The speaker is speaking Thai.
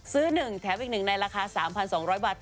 ๑แถมอีก๑ในราคา๓๒๐๐บาท